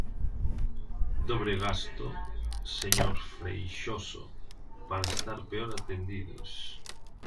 Dobre gasto, señor Freixoso, para estar peor atendidos.